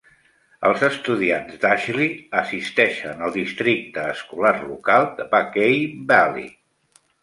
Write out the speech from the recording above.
Els estudiants d'Ashley assisteixen al districte escolar local de Buckeye Valley.